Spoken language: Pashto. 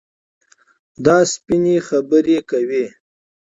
دا سپيني خبري کوي.